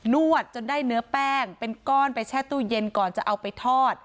วดจนได้เนื้อแป้งเป็นก้อนไปแช่ตู้เย็นก่อนจะเอาไปทอด